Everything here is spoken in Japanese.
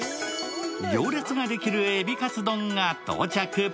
行列ができる海老かつ丼が登場。